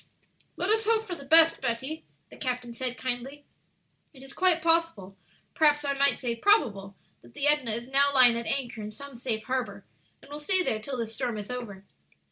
"Let us hope for the best, Betty," the captain said, kindly; "it is quite possible, perhaps I might say probable, that the Edna is now lying at anchor in some safe harbor, and will stay there till this storm is over."